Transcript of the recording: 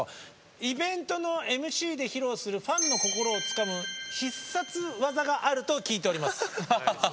イベントのＭＣで披露するファンの心をつかむ必殺技があると聞いております。